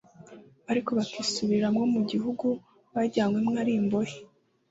ariko bakisubiriramo mu gihugu bajyanywemo ari imbohe,